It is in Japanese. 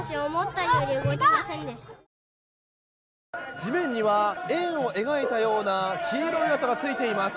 地面には円を描いたような黄色い跡がついています。